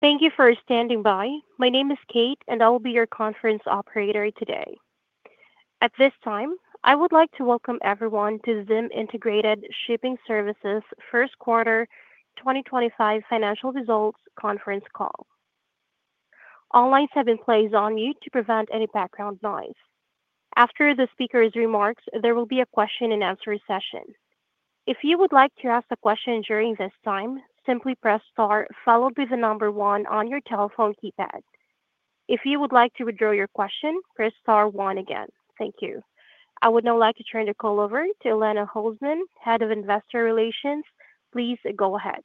Thank you for standing by. My name is Kate, and I'll be your conference operator today. At this time, I would like to welcome everyone to ZIM Integrated Shipping Services' first quarter 2025 financial results conference call. All lines have been placed on mute to prevent any background noise. After the speaker's remarks, there will be a question-and-answer session. If you would like to ask a question during this time, simply press star, followed by the number one on your telephone keypad. If you would like to withdraw your question, press star one again. Thank you. I would now like to turn the call over to Elena Holzman, Head of Investor Relations. Please go ahead.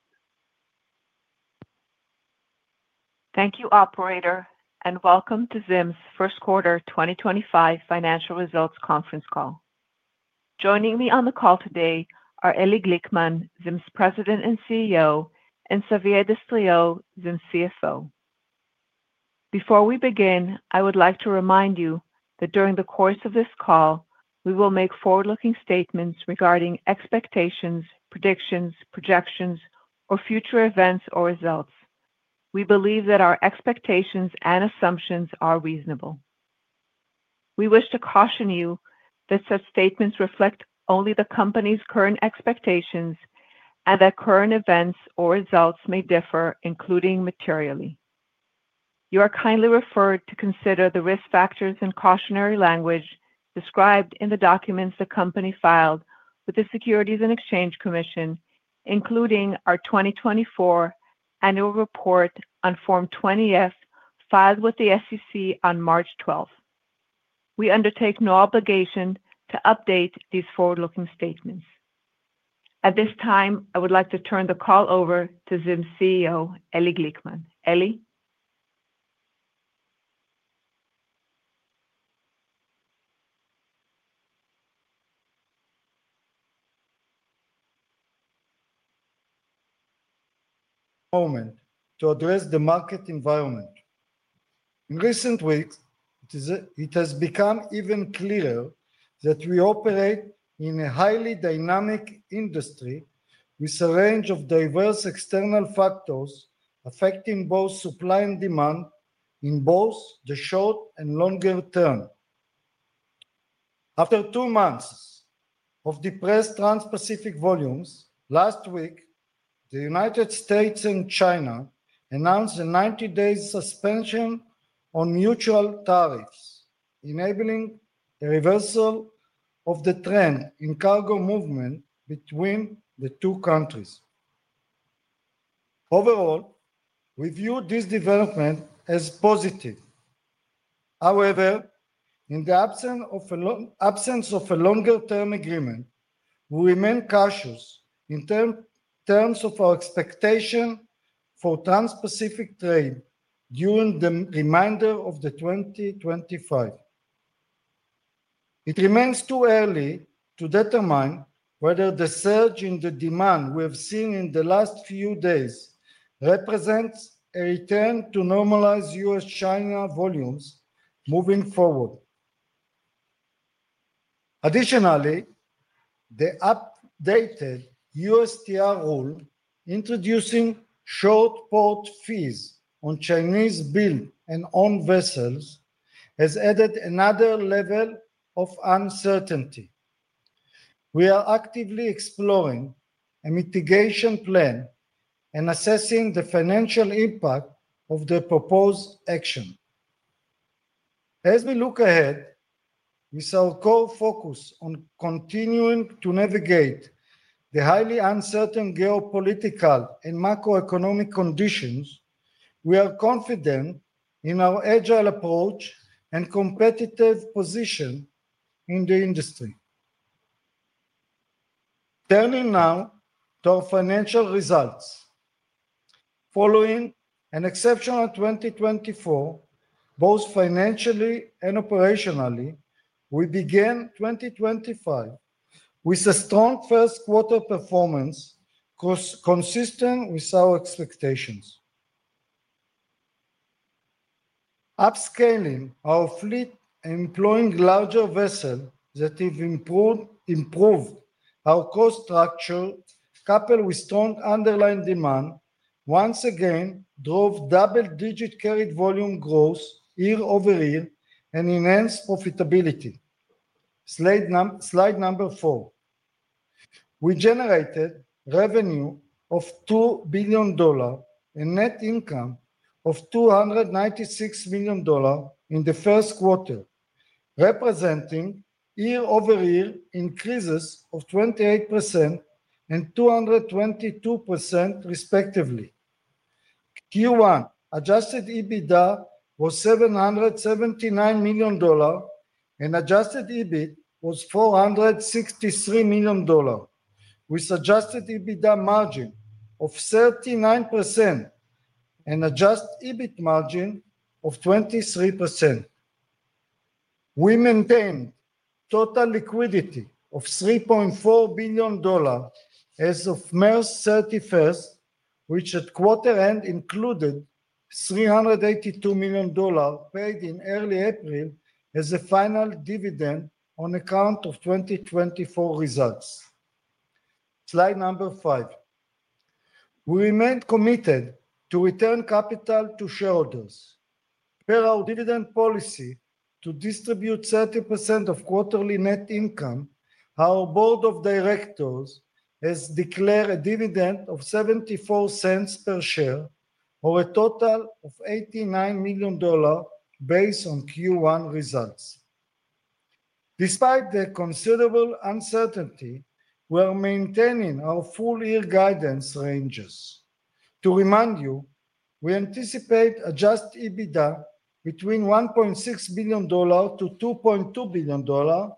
Thank you, Operator, and welcome to ZIM's first quarter 2025 financial results conference call. Joining me on the call today are Eli Glickman, ZIM's President and CEO, and Xavier Destriau, ZIM CFO. Before we begin, I would like to remind you that during the course of this call, we will make forward-looking statements regarding expectations, predictions, projections, or future events or results. We believe that our expectations and assumptions are reasonable. We wish to caution you that such statements reflect only the company's current expectations and that current events or results may differ, including materially. You are kindly referred to consider the risk factors and cautionary language described in the documents the company filed with the Securities and Exchange Commission, including our 2024 annual report on Form 20-F filed with the SEC on March 12th. We undertake no obligation to update these forward-looking statements. At this time, I would like to turn the call over to ZIM CEO, Eli Glickman. Eli? Moment to address the market environment. In recent weeks, it has become even clearer that we operate in a highly dynamic industry with a range of diverse external factors affecting both supply and demand in both the short and longer term. After two months of depressed Transpacific volumes, last week, the United States and China announced a 90-day suspension on mutual tariffs, enabling a reversal of the trend in cargo movement between the two countries. Overall, we view this development as positive. However, in the absence of a longer-term agreement, we remain cautious in terms of our expectation for Transpacific trade during the remainder of 2025. It remains too early to determine whether the surge in the demand we have seen in the last few days represents a return to normalized U.S.-China volumes moving forward. Additionally, the updated USTR rule introducing short-port fees on Chinese-built and owned vessels has added another level of uncertainty. We are actively exploring a mitigation plan and assessing the financial impact of the proposed action. As we look ahead with our core focus on continuing to navigate the highly uncertain geopolitical and macroeconomic conditions, we are confident in our agile approach and competitive position in the industry. Turning now to our financial results. Following an exceptional 2024, both financially and operationally, we began 2025 with a strong first-quarter performance consistent with our expectations. Upscaling our fleet and employing larger vessels that have improved our cost structure, coupled with strong underlying demand, once again drove double-digit carried volume growth year-over-year and enhanced profitability. Slide number four. We generated revenue of $2 billion and net income of $296 million in the first quarter, representing year-over-year increases of 28% and 222%, respectively. Q1 adjusted EBITDA was $779 million and adjusted EBIT was $463 million, with adjusted EBITDA margin of 39% and adjusted EBIT margin of 23%. We maintained total liquidity of $3.4 billion as of March 31st, which at quarter-end included $382 million paid in early April as a final dividend on account of 2024 results. Slide number five. We remained committed to return capital to shareholders. Per our dividend policy, to distribute 30% of quarterly net income, our board of directors has declared a dividend of $0.74 per share, or a total of $89 million based on Q1 results. Despite the considerable uncertainty, we are maintaining our full-year guidance ranges. To remind you, we anticipate adjusted EBITDA between $1.6 billion-$2.2 billion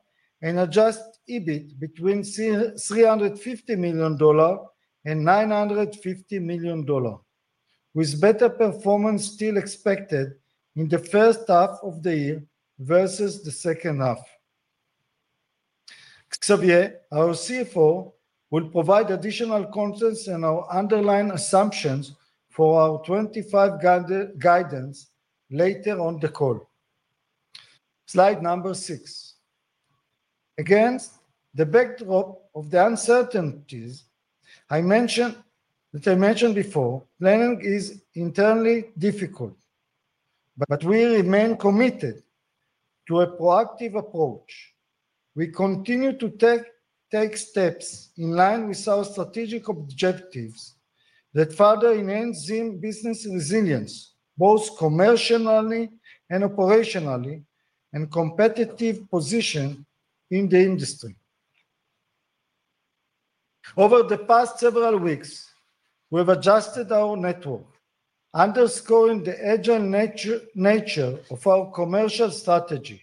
and adjusted EBIT between $350 million-$950 million, with better performance still expected in the first half of the year versus the second half. Xavier, our CFO, will provide additional comments on our underlying assumptions for our 2025 guidance later on the call. Slide number six. Against the backdrop of the uncertainties I mentioned before, planning is internally difficult, but we remain committed to a proactive approach. We continue to take steps in line with our strategic objectives that further enhance ZIM business resilience, both commercially and operationally, and competitive position in the industry. Over the past several weeks, we have adjusted our network, underscoring the agile nature of our commercial strategy.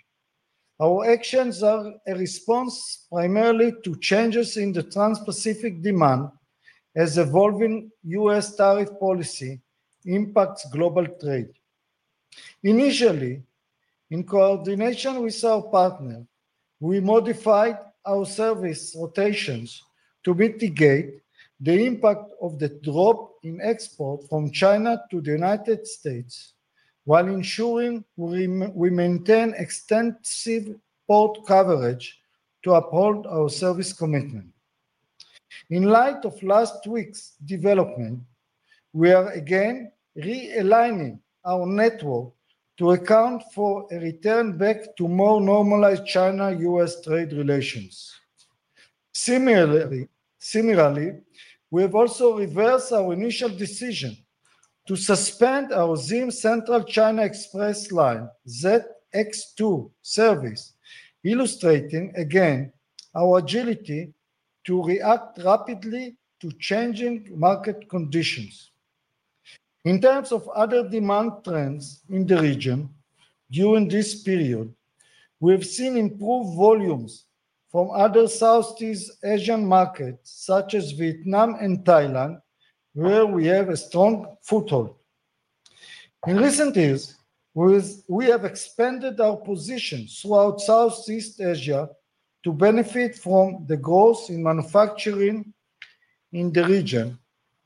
Our actions are a response primarily to changes in the Transpacific demand as evolving US tariff policy impacts global trade. Initially, in coordination with our partner, we modified our service rotations to mitigate the impact of the drop in export from China to the United States, while ensuring we maintain extensive port coverage to uphold our service commitment. In light of last week's development, we are again realigning our network to account for a return back to more normalized China-U.S. trade relations. Similarly, we have also reversed our initial decision to suspend our ZIM Central China Express Line ZX2 service, illustrating again our agility to react rapidly to changing market conditions. In terms of other demand trends in the region during this period, we have seen improved volumes from other Southeast Asian markets, such as Vietnam and Thailand, where we have a strong foothold. In recent years, we have expanded our positions throughout Southeast Asia to benefit from the growth in manufacturing in the region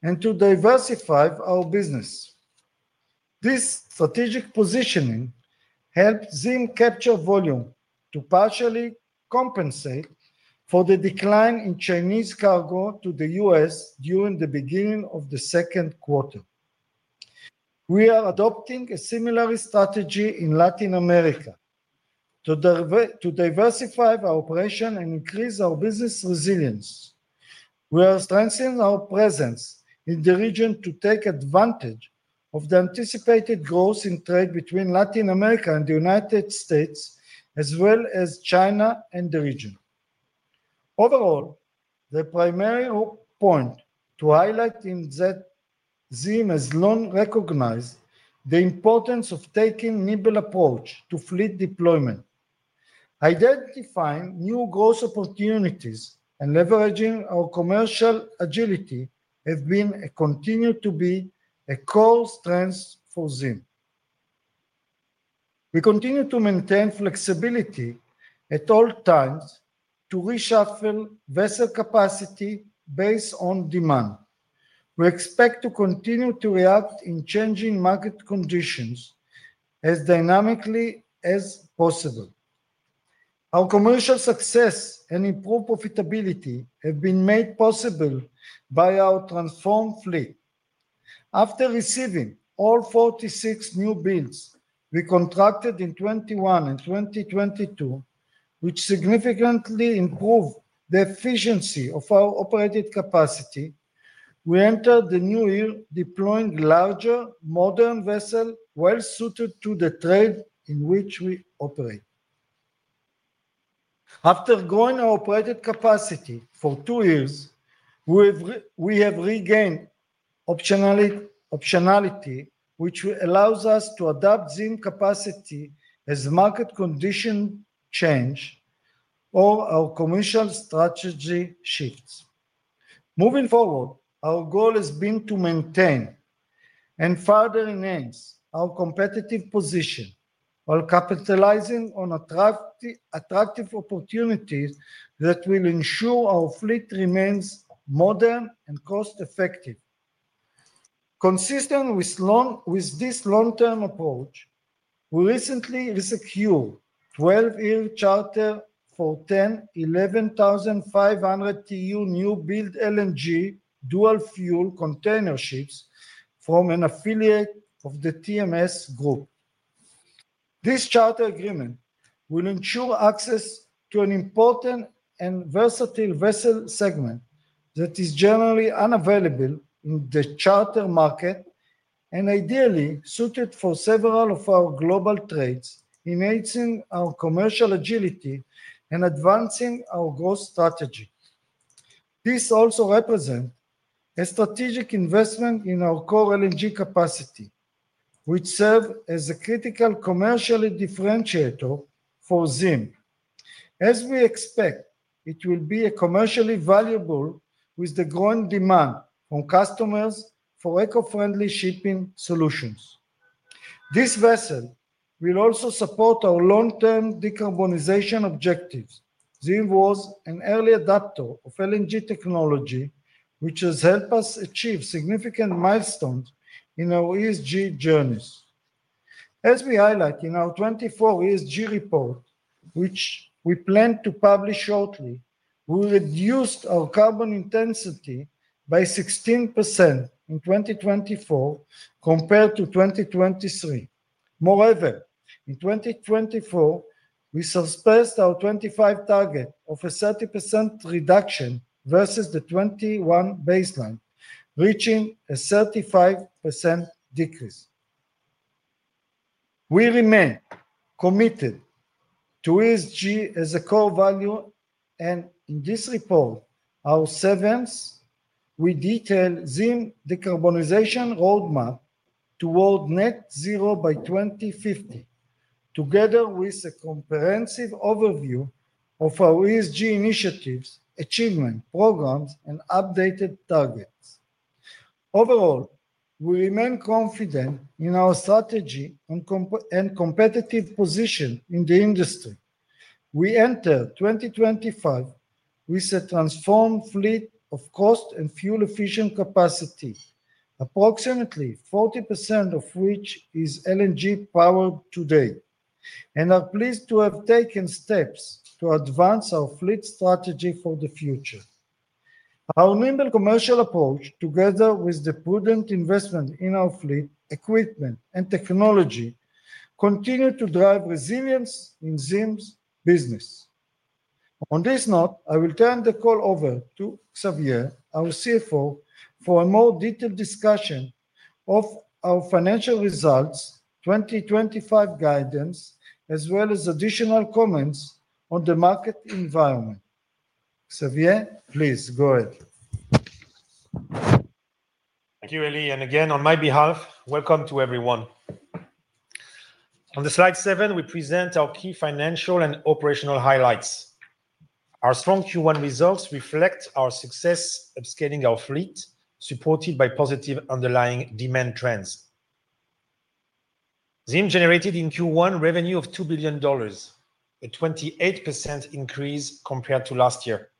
and to diversify our business. This strategic positioning helped ZIM capture volume to partially compensate for the decline in Chinese cargo to the U.S. during the beginning of the second quarter. We are adopting a similar strategy in Latin America to diversify our operation and increase our business resilience. We are strengthening our presence in the region to take advantage of the anticipated growth in trade between Latin America and the United States, as well as China and the region. Overall, the primary point to highlight is ZIM has long recognized the importance of taking a nimble approach to fleet deployment. Identifying new growth opportunities and leveraging our commercial agility have continued to be a core strength for ZIM. We continue to maintain flexibility at all times to reshuffle vessel capacity based on demand. We expect to continue to react in changing market conditions as dynamically as possible. Our commercial success and improved profitability have been made possible by our transformed fleet. After receiving all 46 new builds we contracted in 2021 and 2022, which significantly improved the efficiency of our operated capacity, we entered the new year, deploying larger, modern vessels well-suited to the trade in which we operate. After growing our operated capacity for two years, we have regained optionality, which allows us to adapt ZIM capacity as market conditions change or our commercial strategy shifts. Moving forward, our goal has been to maintain and further enhance our competitive position while capitalizing on attractive opportunities that will ensure our fleet remains modern and cost-effective. Consistent with this long-term approach, we recently secured a 12-year charter for 10 11,500 TEU new-build LNG dual-fuel container ships from an affiliate of the TMS Group. This charter agreement will ensure access to an important and versatile vessel segment that is generally unavailable in the charter market and ideally suited for several of our global trades, enhancing our commercial agility and advancing our growth strategy. This also represents a strategic investment in our core LNG capacity, which serves as a critical commercial differentiator for ZIM. As we expect, it will be commercially valuable with the growing demand from customers for eco-friendly shipping solutions. This vessel will also support our long-term decarbonization objectives. ZIM was an early adopter of LNG technology, which has helped us achieve significant milestones in our ESG journeys. As we highlight in our 2024 ESG report, which we plan to publish shortly, we reduced our carbon intensity by 16% in 2024 compared to 2023. Moreover, in 2024, we surpassed our 2025 target of a 30% reduction versus the 2021 baseline, reaching a 35% decrease. We remain committed to ESG as a core value, and in this report, our seventh, we detail ZIM decarbonization roadmap toward net zero by 2050, together with a comprehensive overview of our ESG initiatives, achievement programs, and updated targets. Overall, we remain confident in our strategy and competitive position in the industry. We enter 2025 with a transformed fleet of cost and fuel-efficient capacity, approximately 40% of which is LNG-powered today, and are pleased to have taken steps to advance our fleet strategy for the future. Our nimble commercial approach, together with the prudent investment in our fleet, equipment, and technology, continue to drive resilience in ZIM's business. On this note, I will turn the call over to Xavier, our CFO, for a more detailed discussion of our financial results, 2025 guidance, as well as additional comments on the market environment. Xavier, please go ahead. Thank you, Eli. And again, on my behalf, welcome to everyone. On the slide seven, we present our key financial and operational highlights. Our strong Q1 results reflect our success of scaling our fleet, supported by positive underlying demand trends. ZIM generated in Q1 revenue of $2 billion, a 28% increase compared to last year.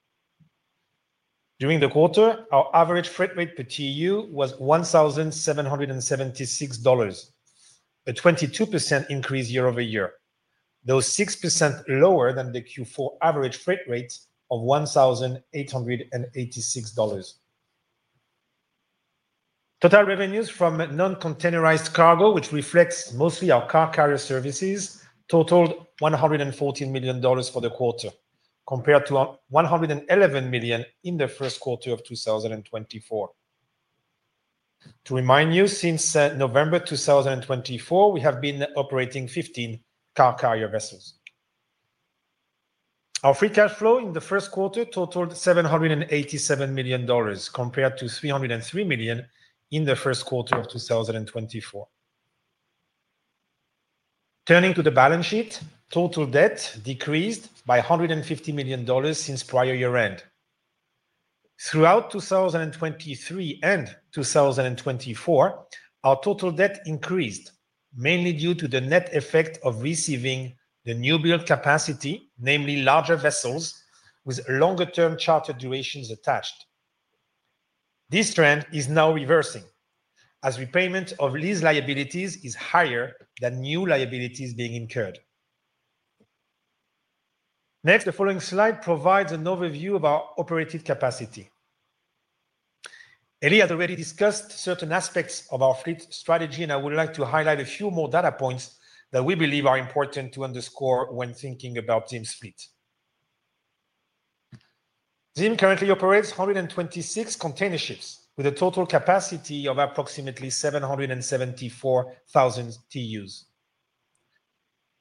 During the quarter, our average freight rate per TEU was $1,776, a 22% increase year-over-year, though 6% lower than the Q4 average freight rate of $1,886. Total revenues from non-containerized cargo, which reflects mostly our car carrier services, totaled $114 million for the quarter, compared to $111 million in the first quarter of 2024. To remind you, since November 2024, we have been operating 15 car carrier vessels. Our free cash flow in the first quarter totaled $787 million, compared to $303 million in the first quarter of 2024. Turning to the balance sheet, total debt decreased by $150 million since prior year-end. Throughout 2023 and 2024, our total debt increased, mainly due to the net effect of receiving the new-build capacity, namely larger vessels with longer-term charter durations attached. This trend is now reversing, as repayment of lease liabilities is higher than new liabilities being incurred. Next, the following slide provides an overview of our operated capacity. Eli has already discussed certain aspects of our fleet strategy, and I would like to highlight a few more data points that we believe are important to underscore when thinking about ZIM's fleet. ZIM currently operates 126 container ships, with a total capacity of approximately 774,000 TEUs.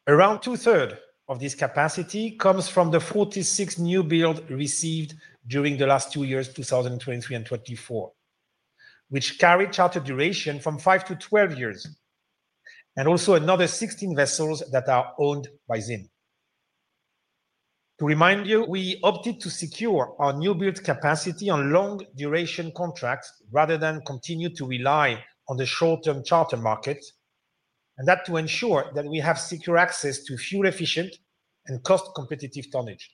Around 2/3 of this capacity comes from the 46 new-build received during the last two years, 2023 and 2024, which carry charter duration from five to 12 years, and also another 16 vessels that are owned by ZIM. To remind you, we opted to secure our new-build capacity on long-duration contracts rather than continue to rely on the short-term charter market, and that to ensure that we have secure access to fuel-efficient and cost-competitive tonnage.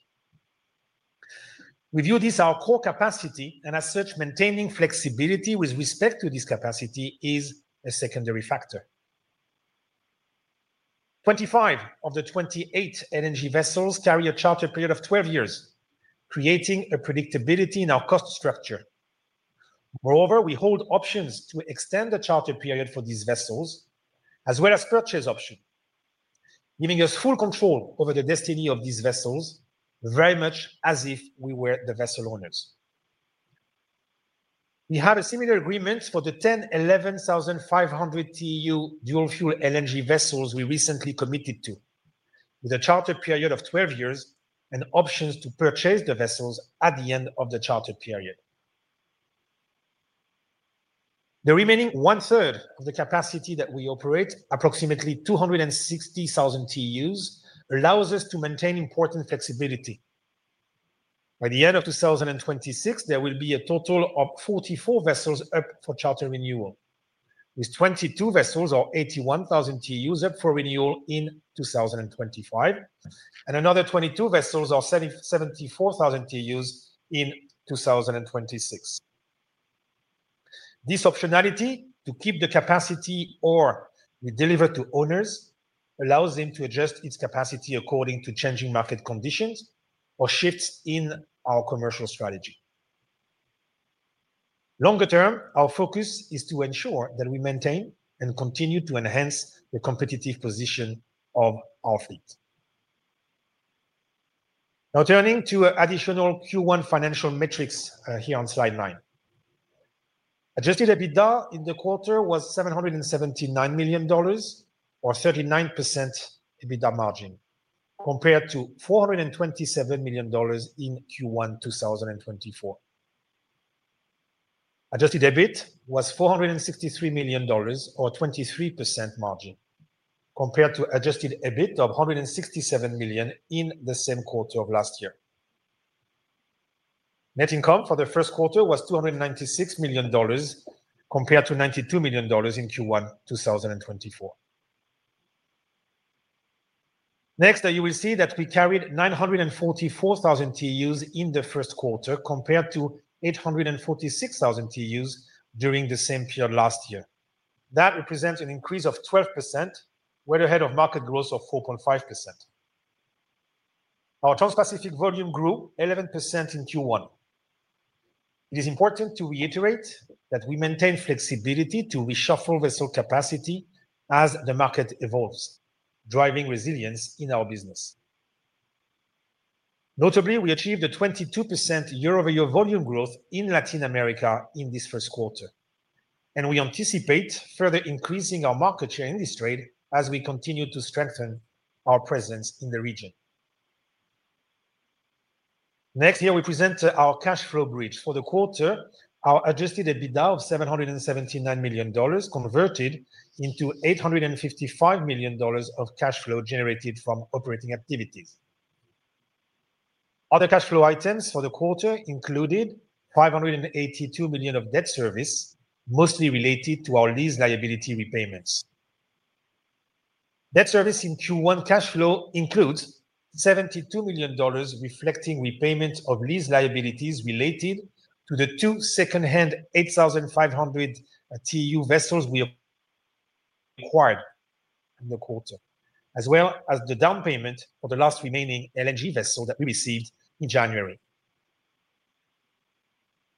With you, this is our core capacity, and as such, maintaining flexibility with respect to this capacity is a secondary factor. 25 of the 28 LNG vessels carry a charter period of 12 years, creating a predictability in our cost structure. Moreover, we hold options to extend the charter period for these vessels, as well as purchase options, giving us full control over the destiny of these vessels, very much as if we were the vessel owners. We have a similar agreement for the 10 11,500 TEU dual-fuel LNG vessels we recently committed to, with a charter period of 12 years and options to purchase the vessels at the end of the charter period. The remaining 1/3 of the capacity that we operate, approximately 260,000 TEUs, allows us to maintain important flexibility. By the end of 2026, there will be a total of 44 vessels up for charter renewal, with 22 vessels or 81,000 TEUs up for renewal in 2025, and another 22 vessels or 74,000 TEUs in 2026. This optionality to keep the capacity or we deliver to owners allows them to adjust its capacity according to changing market conditions or shifts in our commercial strategy. Longer term, our focus is to ensure that we maintain and continue to enhance the competitive position of our fleet. Now, turning to additional Q1 financial metrics here on slide nine. Adjusted EBITDA in the quarter was $779 million or 39% EBITDA margin, compared to $427 million in Q1 2024. Adjusted EBIT was $463 million or 23% margin, compared to adjusted EBIT of $167 million in the same quarter of last year. Net income for the first quarter was $296 million, compared to $92 million in Q1 2024. Next, you will see that we carried 944,000 TEUs in the first quarter, compared to 846,000 TEUs during the same period last year. That represents an increase of 12%, well ahead of market growth of 4.5%. Our Transpacific volume grew 11% in Q1. It is important to reiterate that we maintain flexibility to reshuffle vessel capacity as the market evolves, driving resilience in our business. Notably, we achieved a 22% year-over-year volume growth in Latin America in this first quarter, and we anticipate further increasing our market share in this trade as we continue to strengthen our presence in the region. Next year, we present our cash flow bridge. For the quarter, our adjusted EBITDA of $779 million converted into $855 million of cash flow generated from operating activities. Other cash flow items for the quarter included $582 million of debt service, mostly related to our lease liability repayments. Debt service in Q1 cash flow includes $72 million, reflecting repayment of lease liabilities related to the two second-hand 8,500 TEU vessels we acquired in the quarter, as well as the down payment for the last remaining LNG vessel that we received in January.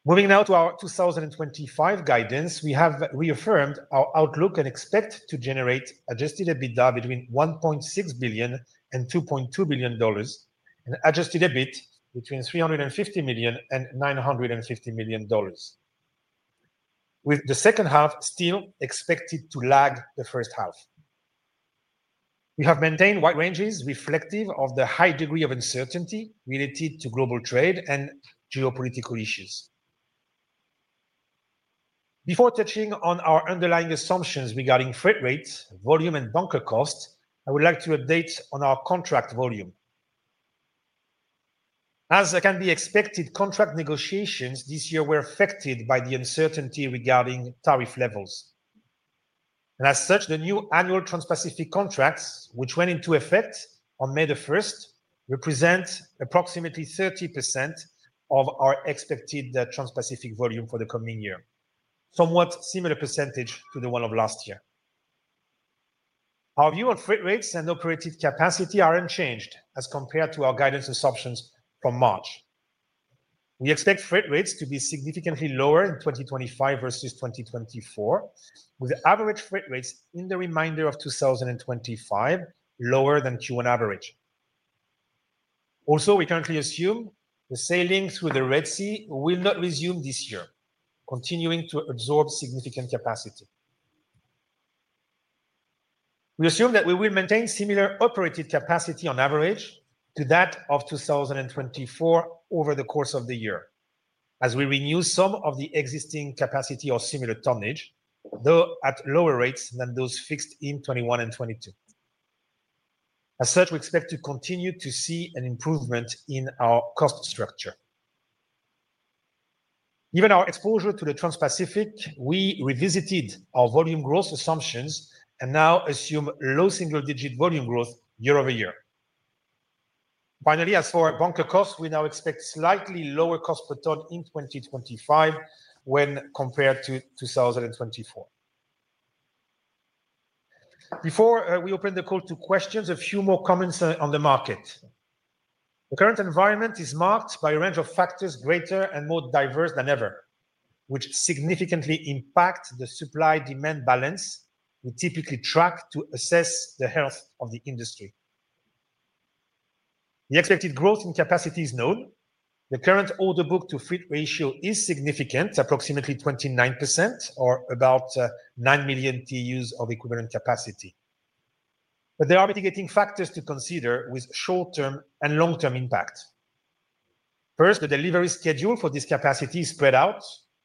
Moving now to our 2025 guidance, we have reaffirmed our outlook and expect to generate adjusted EBITDA between $1.6 billion and $2.2 billion, and adjusted EBIT between $350 million and $950 million, with the second half still expected to lag the first half. We have maintained wide ranges reflective of the high degree of uncertainty related to global trade and geopolitical issues. Before touching on our underlying assumptions regarding freight rates, volume, and bunker costs, I would like to update on our contract volume. As can be expected, contract negotiations this year were affected by the uncertainty regarding tariff levels. The new annual Transpacific contracts, which went into effect on May 1st, represent approximately 30% of our expected Transpacific volume for the coming year, somewhat similar percentage to the one of last year. Our view on freight rates and operated capacity are unchanged as compared to our guidance assumptions from March. We expect freight rates to be significantly lower in 2025 versus 2024, with average freight rates in the remainder of 2025 lower than Q1 average. Also, we currently assume the sailing through the Red Sea will not resume this year, continuing to absorb significant capacity. We assume that we will maintain similar operated capacity on average to that of 2024 over the course of the year, as we renew some of the existing capacity or similar tonnage, though at lower rates than those fixed in 2021 and 2022. As such, we expect to continue to see an improvement in our cost structure. Given our exposure to the Transpacific, we revisited our volume growth assumptions and now assume low single-digit volume growth year-over-year. Finally, as for bunker costs, we now expect slightly lower cost per tonne in 2025 when compared to 2024. Before we open the call to questions, a few more comments on the market. The current environment is marked by a range of factors greater and more diverse than ever, which significantly impact the supply-demand balance we typically track to assess the health of the industry. The expected growth in capacity is known. The current order book to fleet ratio is significant, approximately 29%, or about 9 million TEUs of equivalent capacity. There are mitigating factors to consider with short-term and long-term impact. First, the delivery schedule for this capacity is spread out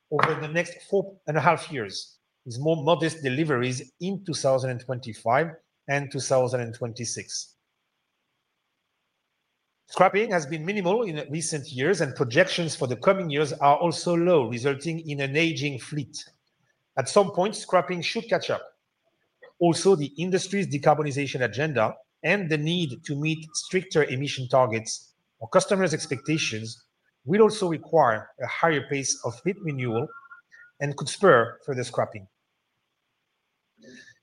over the next four and a half years, with more modest deliveries in 2025 and 2026. Scrapping has been minimal in recent years, and projections for the coming years are also low, resulting in an aging fleet. At some point, scrapping should catch up. Also, the industry's decarbonization agenda and the need to meet stricter emission targets or customers' expectations will also require a higher pace of fleet renewal and could spur further scrapping.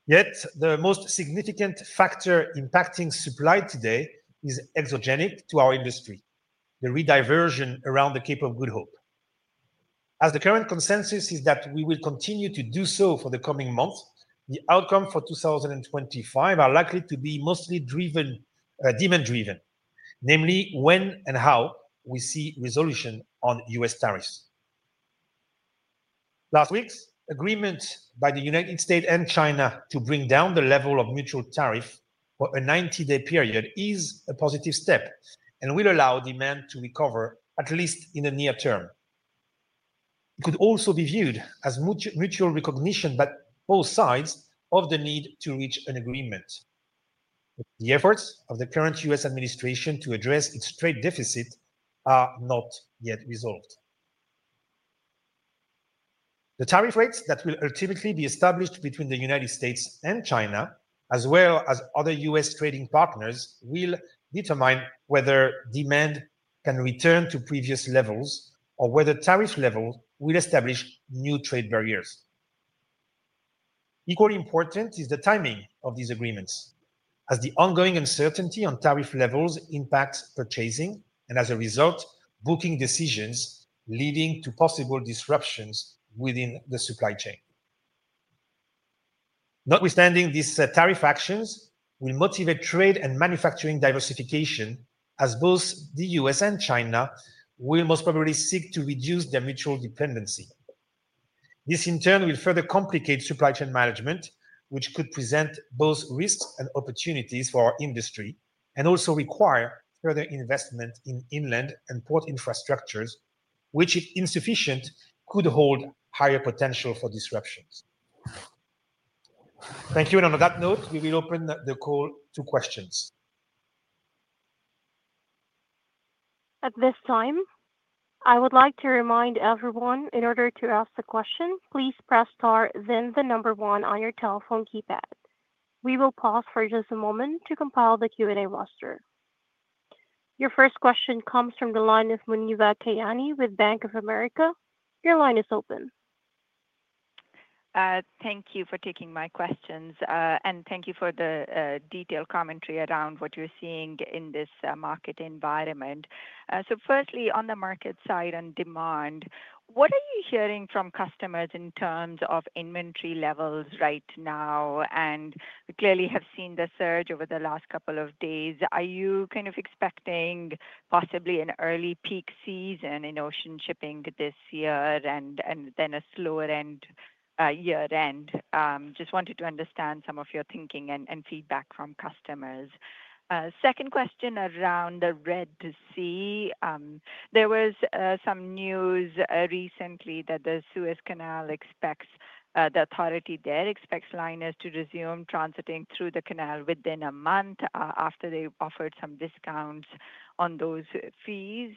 Yet, the most significant factor impacting supply today is exogenic to our industry, the rediversion around the Cape of Good Hope. As the current consensus is that we will continue to do so for the coming months, the outcome for 2025 is likely to be mostly demand-driven, namely when and how we see resolution on US tariffs. Last week's agreement by the United States and China to bring down the level of mutual tariff for a 90-day period is a positive step and will allow demand to recover, at least in the near term. It could also be viewed as mutual recognition by both sides of the need to reach an agreement. The efforts of the current U.S. administration to address its trade deficit are not yet resolved. The tariff rates that will ultimately be established between the United States and China, as well as other U.S. trading partners, will determine whether demand can return to previous levels or whether tariff levels will establish new trade barriers. Equally important is the timing of these agreements, as the ongoing uncertainty on tariff levels impacts purchasing and, as a result, booking decisions, leading to possible disruptions within the supply chain. Notwithstanding these tariff actions, we motivate trade and manufacturing diversification, as both the U.S. and China will most probably seek to reduce their mutual dependency. This, in turn, will further complicate supply chain management, which could present both risks and opportunities for our industry and also require further investment in inland and port infrastructures, which, if insufficient, could hold higher potential for disruptions. Thank you. On that note, we will open the call to questions. At this time, I would like to remind everyone, in order to ask the question, please press star, then the number one on your telephone keypad. We will pause for just a moment to compile the Q&A roster. Your first question comes from the line of Muneeba Kayani with Bank of America. Your line is open. Thank you for taking my questions, and thank you for the detailed commentary around what you're seeing in this market environment. Firstly, on the market side and demand, what are you hearing from customers in terms of inventory levels right now? We clearly have seen the surge over the last couple of days. Are you kind of expecting possibly an early peak season in ocean shipping this year and then a slower year-end? I just wanted to understand some of your thinking and feedback from customers. Second question around the Red Sea. There was some news recently that the Suez Canal authority there expects liners to resume transiting through the canal within a month after they offered some discounts on those fees.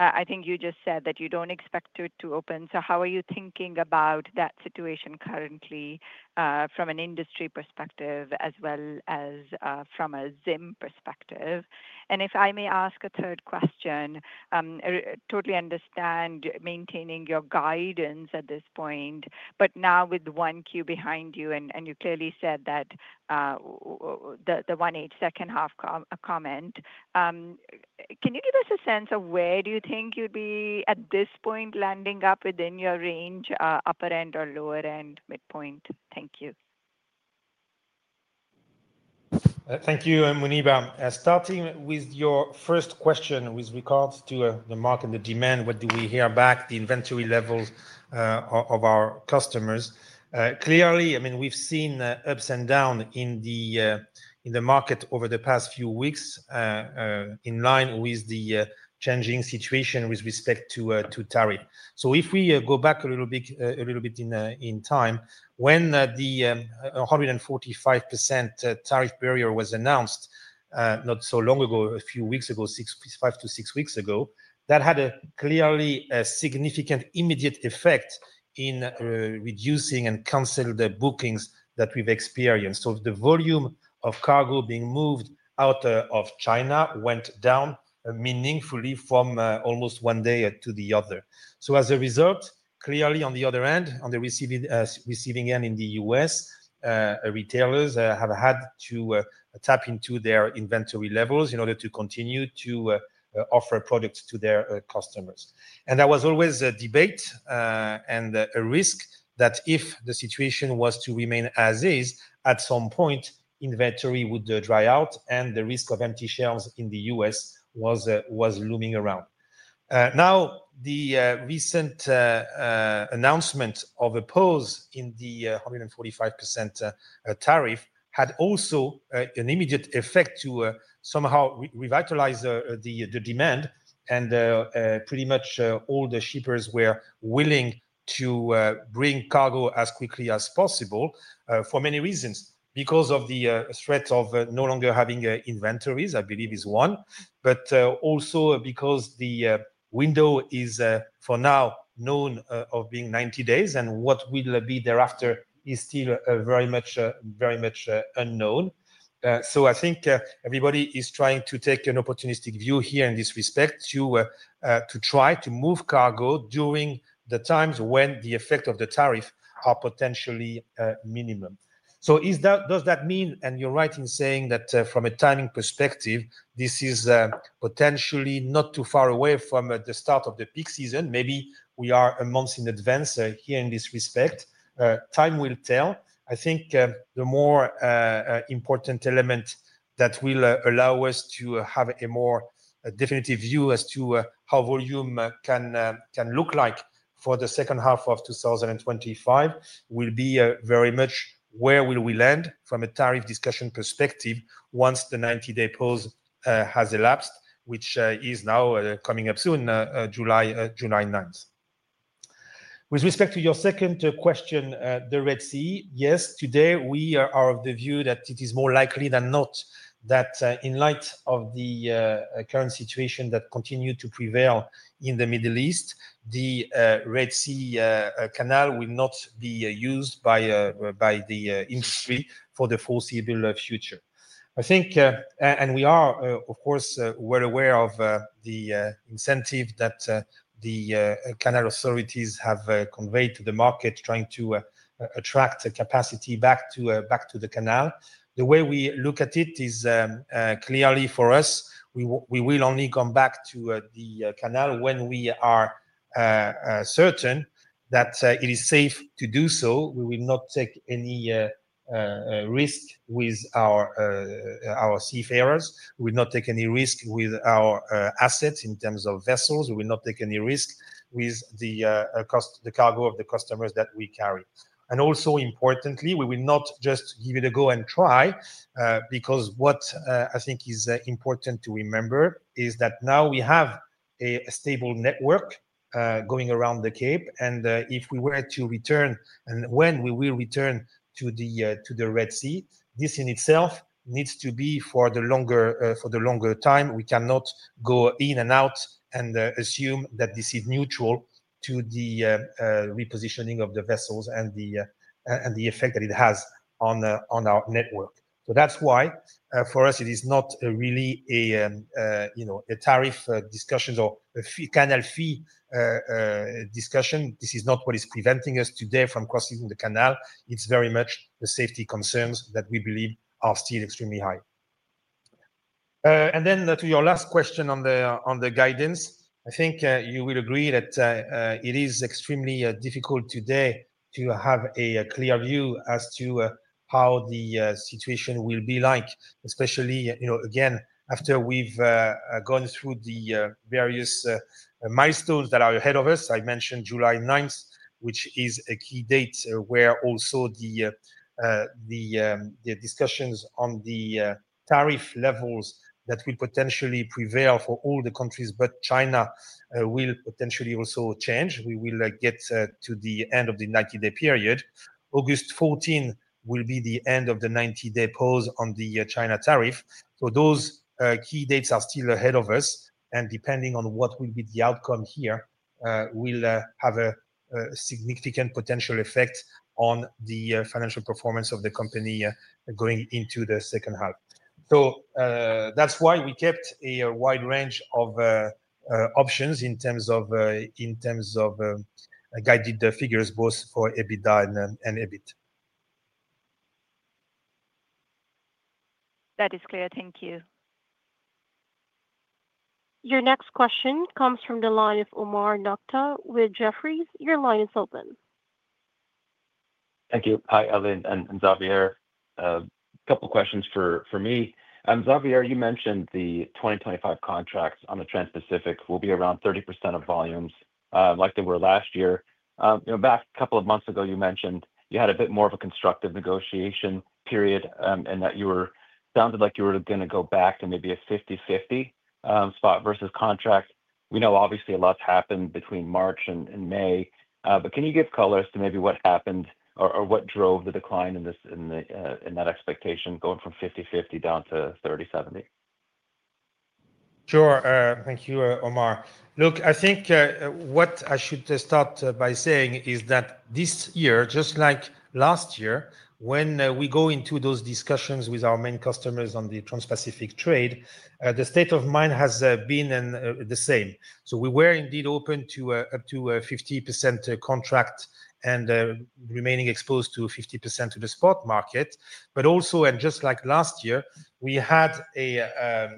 I think you just said that you don't expect it to open. How are you thinking about that situation currently from an industry perspective as well as from a ZIM perspective? If I may ask a third question, totally understand maintaining your guidance at this point, but now with 1Q behind you, and you clearly said that the 1/8 second-half comment, can you give us a sense of where you think you'd be at this point landing up within your range, upper end or lower end, midpoint? Thank you. Thank you, Muneeba. Starting with your first question with regards to the market and the demand, what do we hear back, the inventory levels of our customers? Clearly, I mean, we've seen ups and downs in the market over the past few weeks in line with the changing situation with respect to tariff. If we go back a little bit in time, when the 145% tariff barrier was announced not so long ago, a few weeks ago, five to six weeks ago, that had clearly a significant immediate effect in reducing and canceled the bookings that we've experienced. The volume of cargo being moved out of China went down meaningfully from almost one day to the other. As a result, clearly on the other end, on the receiving end in the U.S., retailers have had to tap into their inventory levels in order to continue to offer products to their customers. There was always a debate and a risk that if the situation was to remain as is, at some point, inventory would dry out, and the risk of empty shelves in the U.S. was looming around. Now, the recent announcement of a pause in the 145% tariff had also an immediate effect to somehow revitalize the demand, and pretty much all the shippers were willing to bring cargo as quickly as possible for many reasons, because of the threat of no longer having inventories, I believe is one, but also because the window is for now known of being 90 days, and what will be thereafter is still very much unknown. I think everybody is trying to take an opportunistic view here in this respect to try to move cargo during the times when the effect of the tariffs are potentially minimum. Does that mean, and you're right in saying that from a timing perspective, this is potentially not too far away from the start of the peak season? Maybe we are a month in advance here in this respect. Time will tell. I think the more important element that will allow us to have a more definitive view as to how volume can look like for the second half of 2025 will be very much where will we land from a tariff discussion perspective once the 90-day pause has elapsed, which is now coming up soon, July 9th. With respect to your second question, the Red Sea, yes, today we are of the view that it is more likely than not that in light of the current situation that continues to prevail in the Middle East, the Red Sea Canal will not be used by the industry for the foreseeable future. I think, and we are, of course, well aware of the incentive that the canal authorities have conveyed to the market trying to attract capacity back to the canal. The way we look at it is clearly for us, we will only come back to the canal when we are certain that it is safe to do so. We will not take any risk with our seafarers. We will not take any risk with our assets in terms of vessels. We will not take any risk with the cargo of the customers that we carry. Also importantly, we will not just give it a go and try, because what I think is important to remember is that now we have a stable network going around the Cape. If we were to return, and when we will return to the Red Sea, this in itself needs to be for the longer time. We cannot go in and out and assume that this is neutral to the repositioning of the vessels and the effect that it has on our network. That is why for us, it is not really a tariff discussion or canal fee discussion. This is not what is preventing us today from crossing the canal. It is very much the safety concerns that we believe are still extremely high. Then to your last question on the guidance, I think you will agree that it is extremely difficult today to have a clear view as to how the situation will be like, especially again, after we have gone through the various milestones that are ahead of us. I mentioned July 9th, which is a key date where also the discussions on the tariff levels that will potentially prevail for all the countries, but China will potentially also change. We will get to the end of the 90-day period. August 14th will be the end of the 90-day pause on the China tariff. Those key dates are still ahead of us. Depending on what will be the outcome here, we'll have a significant potential effect on the financial performance of the company going into the second half. That is why we kept a wide range of options in terms of guided figures, both for EBITDA and EBIT. That is clear. Thank you. Your next question comes from the line of Omar Nokta with Jefferies. Your line is open. Thank you. Hi, Eli and Xavier. A couple of questions for me. Xavier, you mentioned the 2025 contracts on the Transpacific will be around 30% of volumes like they were last year. Back a couple of months ago, you mentioned you had a bit more of a constructive negotiation period and that you were sounded like you were going to go back to maybe a 50-50 spot versus contract. We know obviously a lot happened between March and May, but can you give colors to maybe what happened or what drove the decline in that expectation going from 50-50 down to 30-70? Sure. Thank you, Omar. Look, I think what I should start by saying is that this year, just like last year, when we go into those discussions with our main customers on the Transpacific trade, the state of mind has been the same. We were indeed open to up to 50% contract and remaining exposed to 50% to the spot market. Also, just like last year, we had a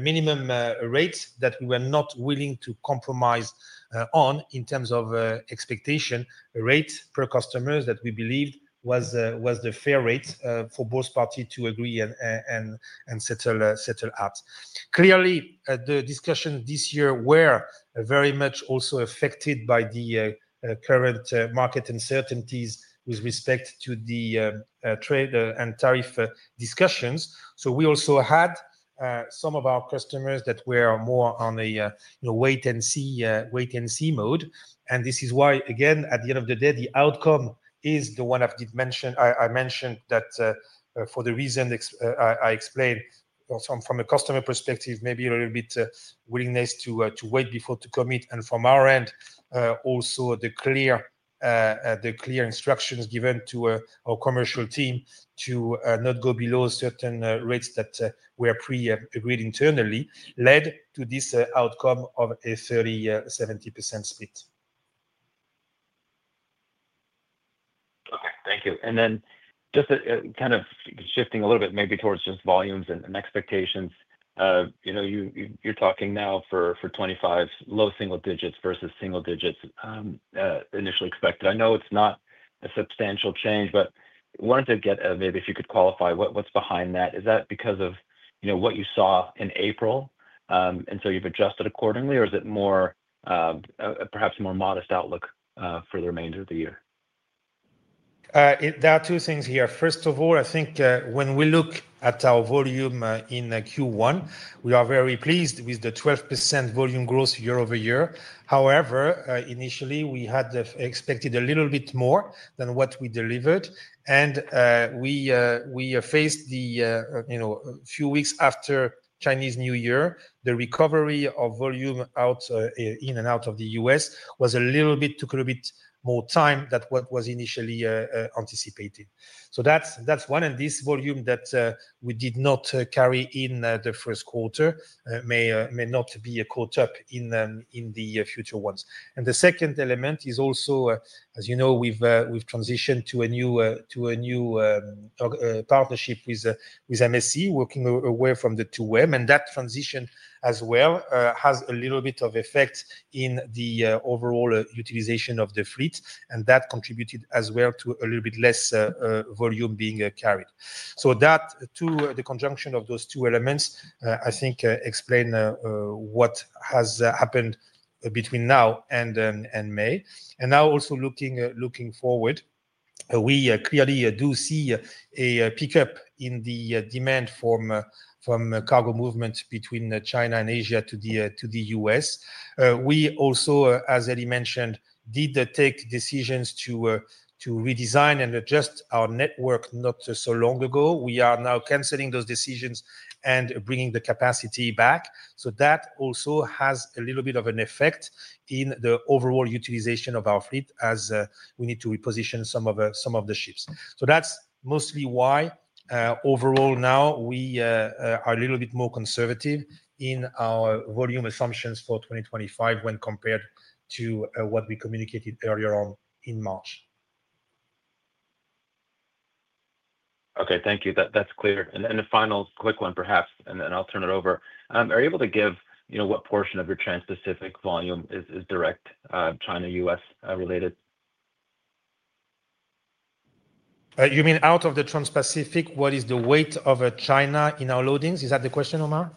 minimum rate that we were not willing to compromise on in terms of expectation, a rate per customer that we believed was the fair rate for both parties to agree and settle at. Clearly, the discussion this year was very much also affected by the current market uncertainties with respect to the trade and tariff discussions. We also had some of our customers that were more on a wait-and-see mode. This is why, again, at the end of the day, the outcome is the one I mentioned that for the reason I explained, from a customer perspective, maybe a little bit willingness to wait before to commit. From our end, also the clear instructions given to our commercial team to not go below certain rates that were pre-agreed internally led to this outcome of a 30%-70% split. Okay. Thank you. Just kind of shifting a little bit maybe towards just volumes and expectations, you're talking now for 2025, low single digits versus single digits initially expected. I know it's not a substantial change, but I wanted to get maybe if you could qualify what's behind that. Is that because of what you saw in April, and so you've adjusted accordingly, or is it perhaps a more modest outlook for the remainder of the year? There are two things here. First of all, I think when we look at our volume in Q1, we are very pleased with the 12% volume growth year-over-year. However, initially, we had expected a little bit more than what we delivered. We faced the few weeks after Chinese New Year, the recovery of volume in and out of the U.S. took a little bit more time than what was initially anticipated. That is one. This volume that we did not carry in the first quarter may not be caught up in the future ones. The second element is also, as you know, we have transitioned to a new partnership with MSC, working away from the two women. That transition as well has a little bit of effect in the overall utilization of the fleet. That contributed as well to a little bit less volume being carried. The conjunction of those two elements, I think, explain what has happened between now and May. Now also looking forward, we clearly do see a pickup in the demand from cargo movements between China and Asia to the U.S. We also, as Eli mentioned, did take decisions to redesign and adjust our network not so long ago. We are now canceling those decisions and bringing the capacity back. That also has a little bit of an effect in the overall utilization of our fleet as we need to reposition some of the ships. That is mostly why overall now we are a little bit more conservative in our volume assumptions for 2025 when compared to what we communicated earlier on in March. Okay. Thank you. That is clear. A final quick one, perhaps, and then I will turn it over. Are you able to give what portion of your Transpacific volume is direct China-U.S. related? You mean out of the Transpacific, what is the weight of China in our loadings? Is that the question, Omar?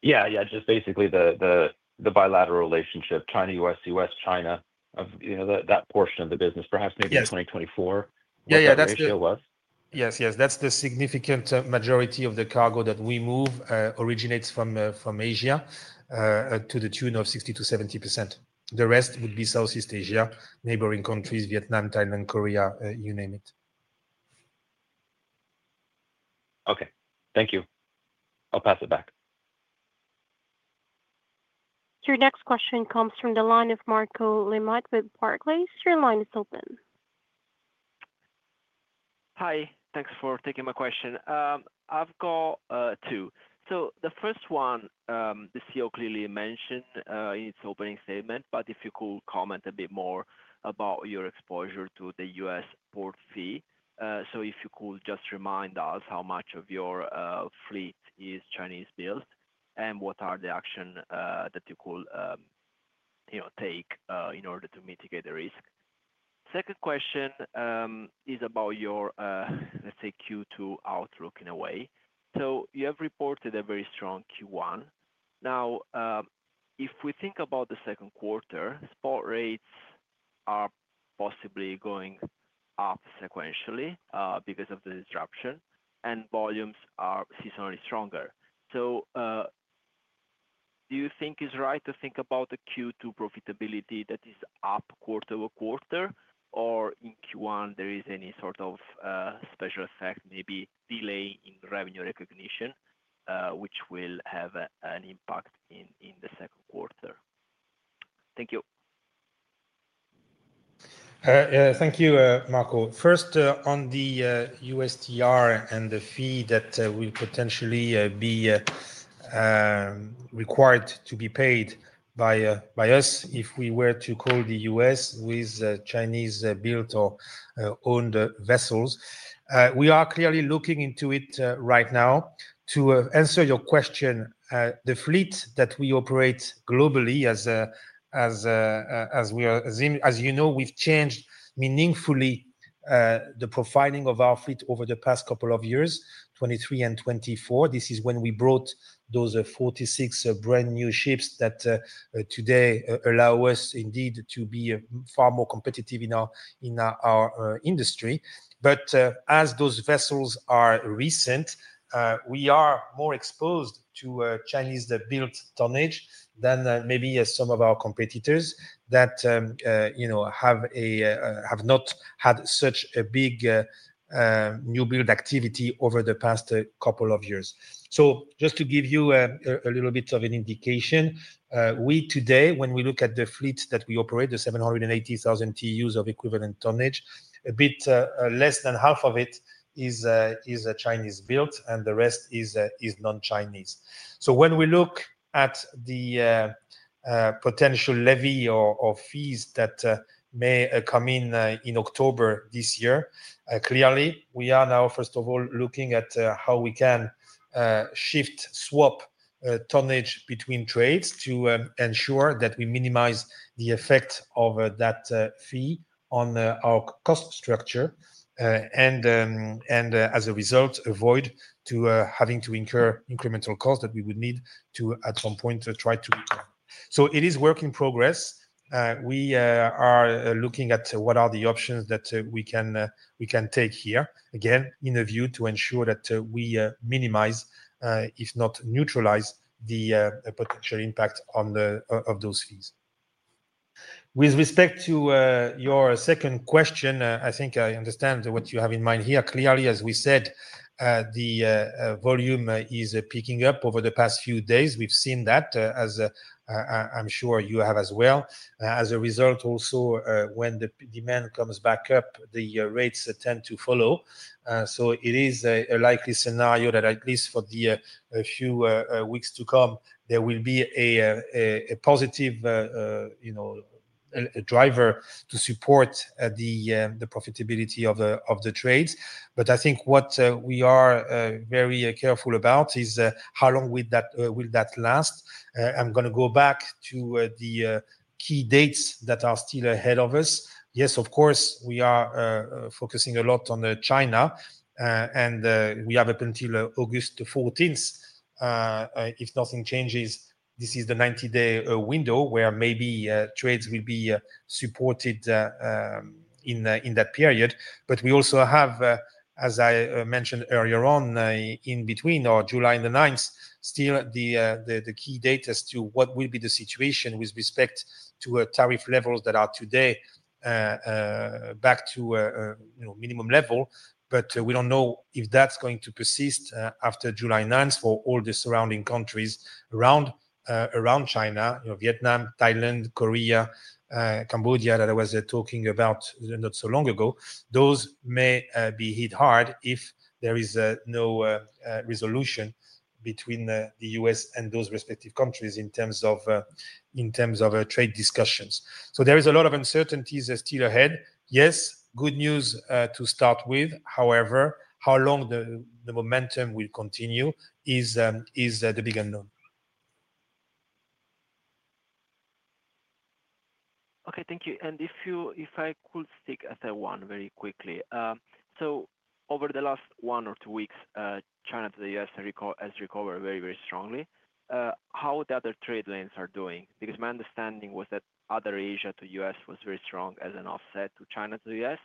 Yeah. Yeah. Just basically the bilateral relationship, China-U.S., U.S.-China, that portion of the business, perhaps maybe 2024, what Asia was. Yes. Yes. That's the significant majority of the cargo that we move originates from Asia to the tune of 60%-70%. The rest would be Southeast Asia, neighboring countries, Vietnam, Thailand, Korea, you name it. Okay. Thank you. I'll pass it back. Your next question comes from the line of Marco Limite with Barclays. Your line is open. Hi. Thanks for taking my question. I've got two. The first one, the CEO clearly mentioned in its opening statement, but if you could comment a bit more about your exposure to the U.S. port fee. If you could just remind us how much of your fleet is Chinese-built and what are the actions that you could take in order to mitigate the risk. Second question is about your, let's say, Q2 outlook in a way. You have reported a very strong Q1. Now, if we think about the second quarter, spot rates are possibly going up sequentially because of the disruption, and volumes are seasonally stronger. Do you think it is right to think about the Q2 profitability that is up quarter-over-quarter, or in Q1, is there any sort of special effect, maybe delay in revenue recognition, which will have an impact in the second quarter? Thank you. Thank you, Marco. First, on the USTR and the fee that will potentially be required to be paid by us if we were to call the U.S. with Chinese-built or owned vessels. We are clearly looking into it right now. To answer your question, the fleet that we operate globally, as you know, we've changed meaningfully the profiling of our fleet over the past couple of years, 2023 and 2024. This is when we brought those 46 brand new ships that today allow us indeed to be far more competitive in our industry. As those vessels are recent, we are more exposed to Chinese-built tonnage than maybe some of our competitors that have not had such a big new-build activity over the past couple of years. Just to give you a little bit of an indication, we today, when we look at the fleet that we operate, the 780,000 TEUs of equivalent tonnage, a bit less than half of it is Chinese-built, and the rest is non-Chinese. When we look at the potential levy or fees that may come in in October this year, clearly, we are now, first of all, looking at how we can shift, swap tonnage between trades to ensure that we minimize the effect of that fee on our cost structure and, as a result, avoid having to incur incremental costs that we would need to, at some point, try to recover. It is work in progress. We are looking at what are the options that we can take here, again, in a view to ensure that we minimize, if not neutralize, the potential impact of those fees. With respect to your second question, I think I understand what you have in mind here. Clearly, as we said, the volume is picking up over the past few days. We've seen that, as I'm sure you have as well. As a result, also, when the demand comes back up, the rates tend to follow. It is a likely scenario that, at least for the few weeks to come, there will be a positive driver to support the profitability of the trades. I think what we are very careful about is how long will that last. I'm going to go back to the key dates that are still ahead of us. Yes, of course, we are focusing a lot on China, and we have up until August 14. If nothing changes, this is the 90-day window where maybe trades will be supported in that period. We also have, as I mentioned earlier on, in between or July and the 9th, still the key data as to what will be the situation with respect to tariff levels that are today back to minimum level. We do not know if that is going to persist after July 9th for all the surrounding countries around China, Vietnam, Thailand, Korea, Cambodia that I was talking about not so long ago. Those may be hit hard if there is no resolution between the U.S. and those respective countries in terms of trade discussions. There is a lot of uncertainty still ahead. Yes, good news to start with. However, how long the momentum will continue is the big unknown. Okay. Thank you. If I could stick at one very quickly. Over the last one or two weeks, China to the U.S. has recovered very, very strongly. How are the other trade lanes doing? My understanding was that other Asia to U.S. was very strong as an offset to China to the U.S.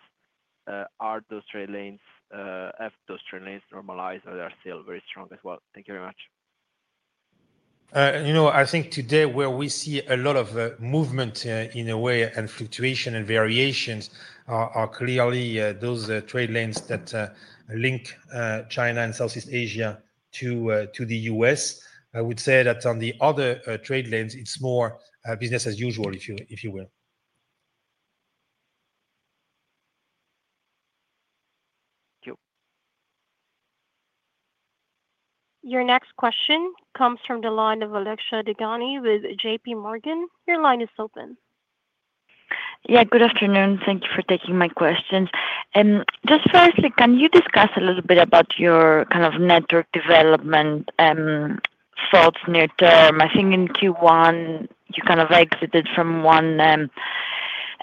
Have those trade lanes normalized or are they still very strong as well? Thank you very much. I think today where we see a lot of movement in a way and fluctuation and variations are clearly those trade lanes that link China and Southeast Asia to the U.S. I would say that on the other trade lanes, it's more business as usual, if you will. Thank you. Your next question comes from the line of Alexia Dogani with JPMorgan. Your line is open. Yeah. Good afternoon. Thank you for taking my questions. Just firstly, can you discuss a little bit about your kind of network development thoughts near term? I think in Q1, you kind of exited from one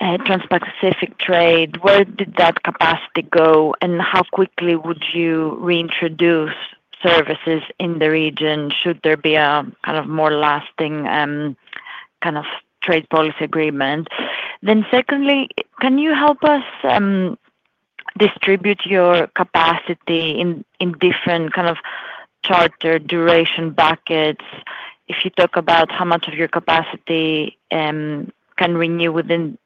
Transpacific trade. Where did that capacity go? And how quickly would you reintroduce services in the region should there be a kind of more lasting kind of trade policy agreement? Secondly, can you help us distribute your capacity in different kind of charter duration buckets? If you talk about how much of your capacity can renew within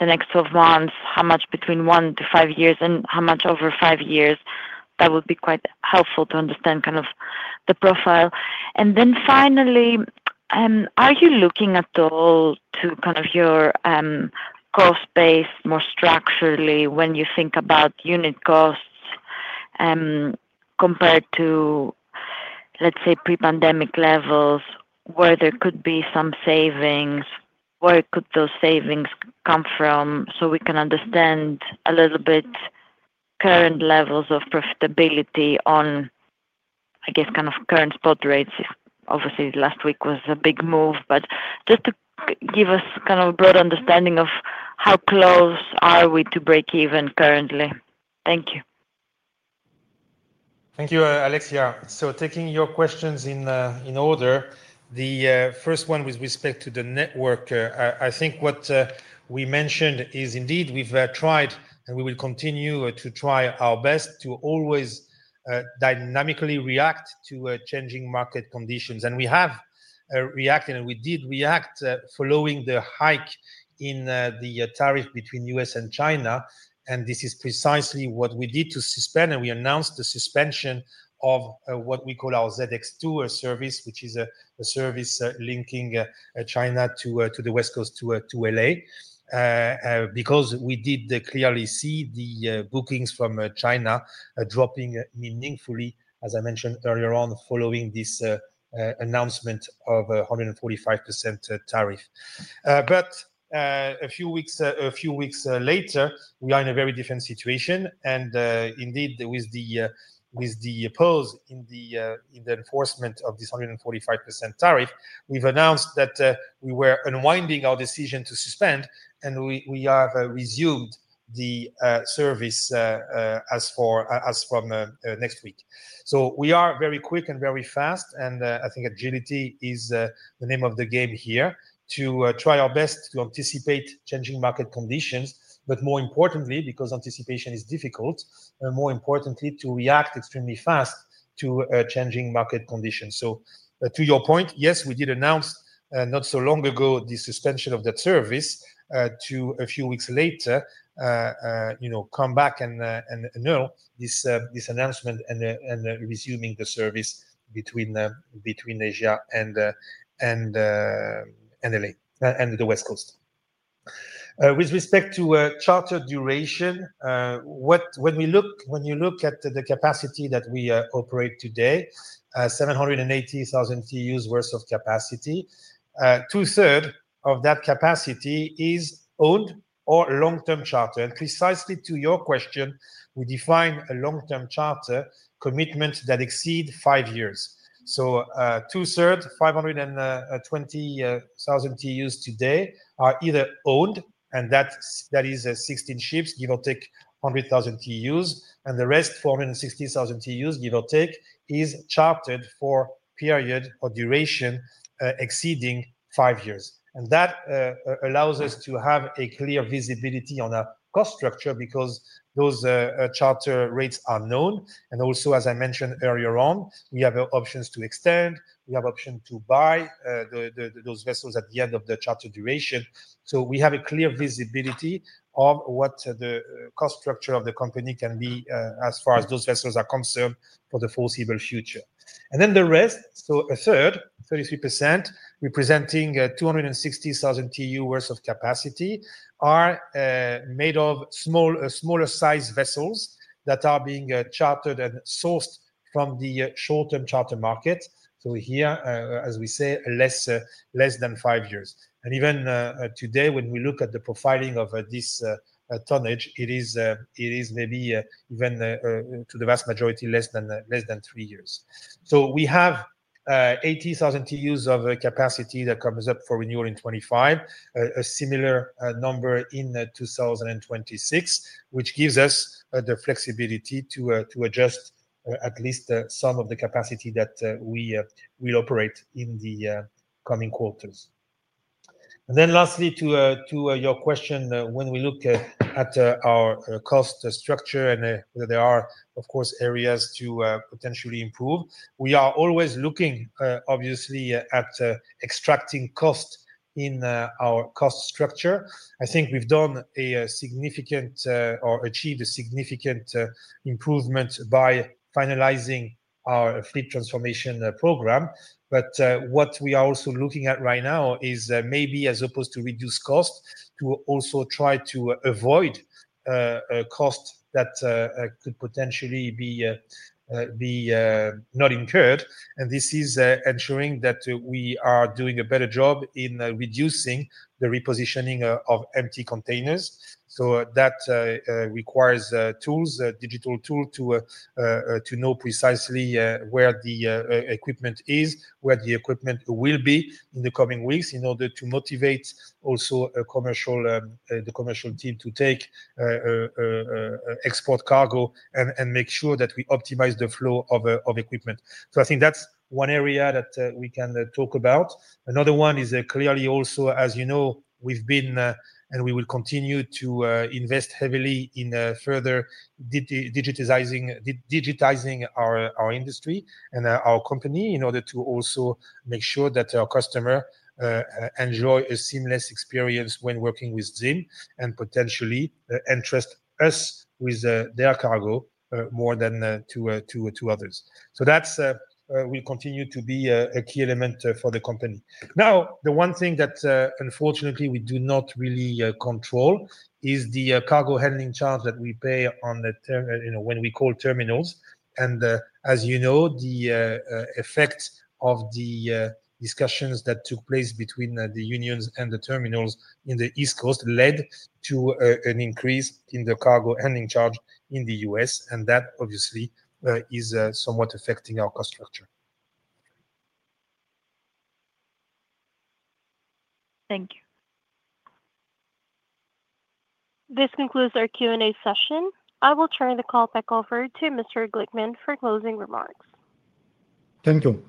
the next 12 months, how much between 1-5 years, and how much over 5 years, that would be quite helpful to understand kind of the profile. Finally, are you looking at all to kind of your cost base more structurally when you think about unit costs compared to, let's say, pre-pandemic levels where there could be some savings? Where could those savings come from? So we can understand a little bit current levels of profitability on, I guess, kind of current spot rates. Obviously, last week was a big move. Just to give us kind of a broad understanding of how close are we to break even currently? Thank you. Thank you, Alexia. Taking your questions in order, the first one with respect to the network, I think what we mentioned is indeed we have tried, and we will continue to try our best to always dynamically react to changing market conditions. We have reacted, and we did react following the hike in the tariff between U.S. and China. This is precisely what we did to suspend, and we announced the suspension of what we call our ZX2 service, which is a service linking China to the West Coast to L.A. because we did clearly see the bookings from China dropping meaningfully, as I mentioned earlier on, following this announcement of 145% tariff. A few weeks later, we are in a very different situation. Indeed, with the pause in the enforcement of this 145% tariff, we have announced that we were unwinding our decision to suspend, and we have resumed the service as from next week. We are very quick and very fast, and I think agility is the name of the game here to try our best to anticipate changing market conditions. More importantly, because anticipation is difficult, more importantly, to react extremely fast to changing market conditions. To your point, yes, we did announce not so long ago the suspension of that service to a few weeks later, come back and know this announcement and resuming the service between Asia and L.A. and the West Coast. With respect to charter duration, when you look at the capacity that we operate today, 774,000 TEUs worth of capacity, 2/3 of that capacity is owned or long-term charter. Precisely to your question, we define a long-term charter commitment that exceeds five years. 2/3, 520,000 TEUs today, are either owned, and that is 16 ships, give or take 100,000 TEUs, and the rest, 460,000 TEUs, give or take, is chartered for a period or duration exceeding five years. That allows us to have a clear visibility on our cost structure because those charter rates are known. Also, as I mentioned earlier on, we have options to extend. We have options to buy those vessels at the end of the charter duration. We have a clear visibility of what the cost structure of the company can be as far as those vessels are concerned for the foreseeable future. The rest, so 1/3, 33%, representing 260,000 TEU worth of capacity, are made of smaller-sized vessels that are being chartered and sourced from the short-term charter market. Here, as we say, less than five years. Even today, when we look at the profiling of this tonnage, it is maybe even, to the vast majority, less than three years. We have 80,000 TEUs of capacity that comes up for renewal in 2025, a similar number in 2026, which gives us the flexibility to adjust at least some of the capacity that we will operate in the coming quarters. Lastly, to your question, when we look at our cost structure and there are, of course, areas to potentially improve, we are always looking, obviously, at extracting cost in our cost structure. I think we've done a significant or achieved a significant improvement by finalizing our fleet transformation program. What we are also looking at right now is maybe, as opposed to reduce cost, to also try to avoid costs that could potentially be not incurred. This is ensuring that we are doing a better job in reducing the repositioning of empty containers. That requires tools, digital tools, to know precisely where the equipment is, where the equipment will be in the coming weeks in order to motivate also the commercial team to take export cargo and make sure that we optimize the flow of equipment. I think that's one area that we can talk about. Another one is clearly also, as you know, we've been and we will continue to invest heavily in further digitizing our industry and our company in order to also make sure that our customer enjoys a seamless experience when working with ZIM and potentially entrust us with their cargo more than to others. That will continue to be a key element for the company. Now, the one thing that, unfortunately, we do not really control is the cargo handling charge that we pay when we call terminals. As you know, the effect of the discussions that took place between the unions and the terminals in the East Coast led to an increase in the cargo handling charge in the U.S. That, obviously, is somewhat affecting our cost structure. Thank you. This concludes our Q&A session. I will turn the call back over to Mr. Glickman. Thank you.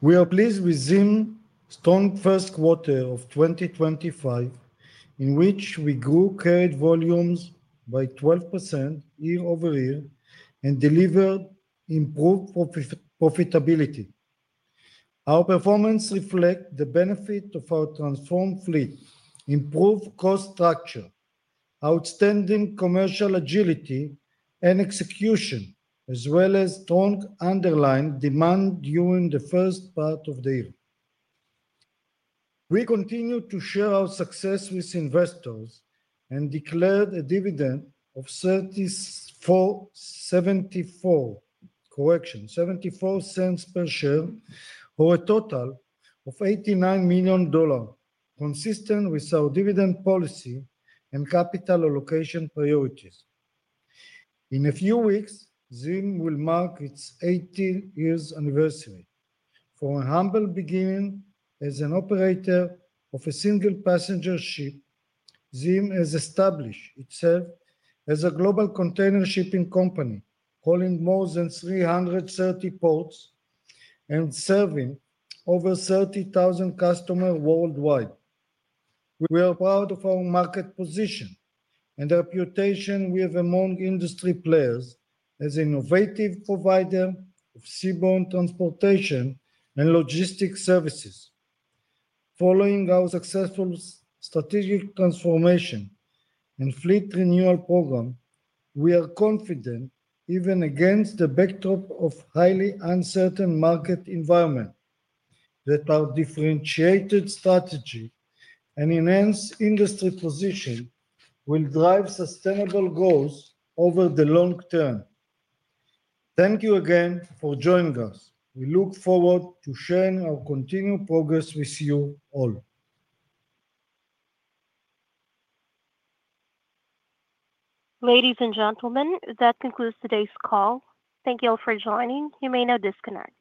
We are pleased with ZIM's strong first quarter of 2025, in which we grew carried volumes by 12% year-over-year and delivered improved profitability. Our performance reflects the benefit of our transformed fleet, improved cost structure, outstanding commercial agility, and execution, as well as strong underlying demand during the first part of the year. We continue to share our success with investors and declared a dividend of $0.74 per share for a total of $89 million, consistent with our dividend policy and capital allocation priorities. In a few weeks, ZIM will mark its 80 years anniversary. From a humble beginning as an operator of a single passenger ship, ZIM has established itself as a global container shipping company, holding more than 330 ports and serving over 30,000 customers worldwide. We are proud of our market position and the reputation we have among industry players as an innovative provider of seaborne transportation and logistics services. Following our successful strategic transformation and fleet renewal program, we are confident, even against the backdrop of a highly uncertain market environment, that our differentiated strategy and enhanced industry position will drive sustainable goals over the long term. Thank you again for joining us. We look forward to sharing our continued progress with you all. Ladies and gentlemen, that concludes today's call. Thank you all for joining. You may now disconnect.